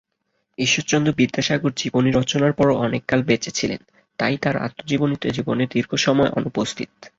ঈশ্বরচন্দ্র বিদ্যাসাগর জীবনী রচনার পরও অনেককাল বেঁচেছিলেন; তাই তাঁর আত্মজীবনীতে জীবনের দীর্ঘ সময় অনুপস্থিত।